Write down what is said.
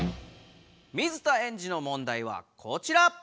水田エンジの問題はこちら。